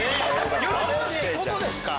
喜ばしいことですか？